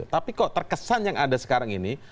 tapi kok terkesan yang ada sekarang ini